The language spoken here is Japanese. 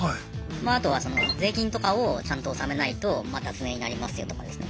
あとは税金とかをちゃんと納めないと脱税になりますよとかですね。